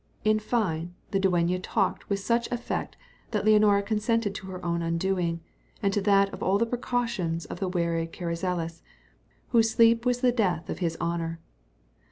In fine, the dueña talked with such effect, that Leonora consented to her own undoing, and to that of all the precautions of the wary Carrizales, whose sleep was the death of his honour.